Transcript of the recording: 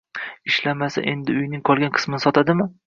Ishlamasa endi uyning qolgan qismini sotadimi